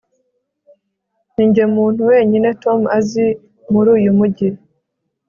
ninjye muntu wenyine tom azi muri uyu mujyi